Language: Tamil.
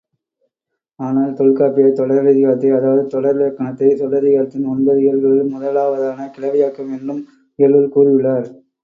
ஆனால், தொல்காப்பியர் தொடரதிகாரத்தை அதாவது தொடரிலக்கணத்தை, சொல்லதிகாரத்தின் ஒன்பது இயல்களுள் முதலாவதான கிளவியாக்கம் என்னும் இயலுள் கூறியுள்ளார்.